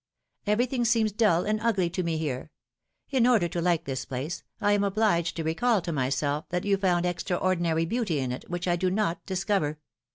— Everything seems dull and ugly to me here; in order to like this place, I am obliged to recall to myself, that you found extraordinary beauty in it, which I do not dis cover.